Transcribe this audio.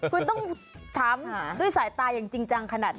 คุณต้องท้ำด้วยสายตายังจริงจังขนาดนั้น